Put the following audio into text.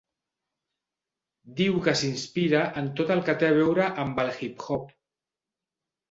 Diu que s'inspira en tot el té a veure amb el hip-hop.